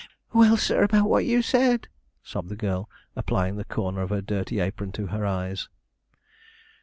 'Well, sir, about what you said,' sobbed the girl, applying the corner of her dirty apron to her eyes.